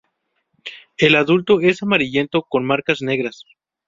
El adulto es amarillento con marcas negras.